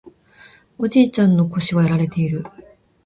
おじいちゃんの腰はやられている